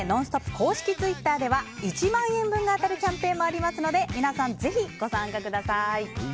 公式ツイッターでは１万円分が当たるキャンペーンもありますので皆さん、ぜひご参加ください。